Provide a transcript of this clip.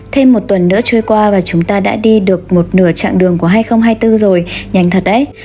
thêm một tuần nữa trôi qua và chúng ta đã đi được một nửa chặng đường của hai nghìn hai mươi bốn rồi nhanh thật ếch